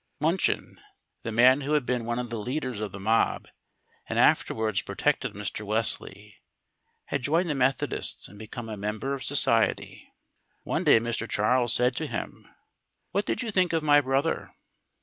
Munchin, the man who had been one of the leaders of the mob and afterwards protected Mr. Wesley, had joined the Methodists and become a member of society. One day Mr. Charles said to him: "What did you think of my brother?"